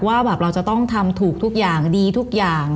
ว่าแบบเราจะต้องทำถูกทุกอย่างดีทุกอย่าง